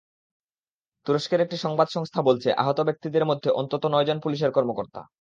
তুরস্কের একটি সংবাদ সংস্থা বলছে, আহত ব্যক্তিদের মধ্যে অন্তত নয়জন পুলিশের কর্মকর্তা।